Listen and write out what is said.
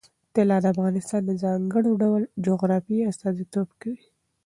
طلا د افغانستان د ځانګړي ډول جغرافیه استازیتوب کوي.